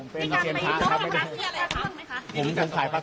พอให้ปากทำให้ดีกว่าครับ